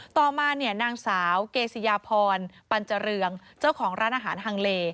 ต่อมาเนี่ยนางสาวเกษยาพรปัญเจริญงเจ้าของร้านอาหารฮังเล